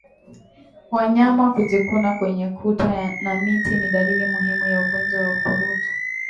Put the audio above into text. Wanyama kujikuna kwenye kuta na miti ni dalili muhimu ya ugonjwa wa ukurutu